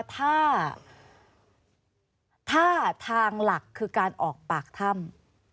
ถ้าทางหลักคือการออกปากถ้ำ